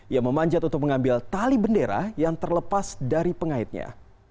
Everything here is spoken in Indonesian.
ia memanjat untuk mengambil tali bendera yang terlepas dari pengaitnya